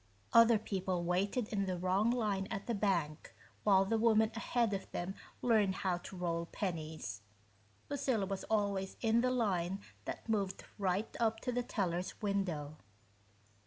Other people waited in the wrong line at the bank while the woman ahead of them learned how to roll pennies Lucilla was always in the line that moved right up to the teller's window.